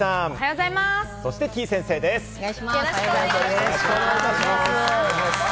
よろしくお願いします。